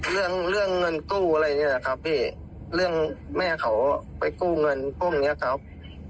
เรื่องเรื่องเงินกู้อะไรอย่างนี้แหละครับพี่เรื่องแม่เขาไปกู้เงินพวกเนี้ยครับ